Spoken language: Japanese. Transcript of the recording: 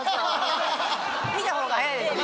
見た方が早いですね